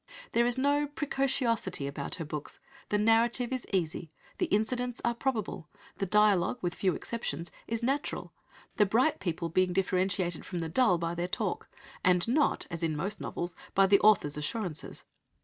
There is no preciosity about her books; the narrative is easy, the incidents are probable; the dialogue, with few exceptions, is natural, the bright people being differentiated from the dull by their talk, and not, as in most novels, by the author's assurances.